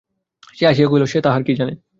সে হাসিয়া কহিল, সে তাহার কী জানে।